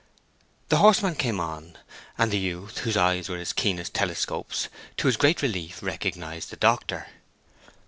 The horseman came on, and the youth, whose eyes were as keen as telescopes, to his great relief recognized the doctor.